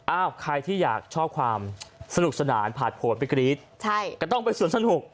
ใครที่อยากชอบความสนุกสนานผ่านผลไปกรี๊ดใช่ก็ต้องไปสวนสนุก